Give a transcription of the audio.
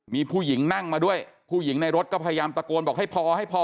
มีผู้หญิงนั่งมาด้วยผู้หญิงในรถก็พยายามตะโกนบอกให้พอให้พอ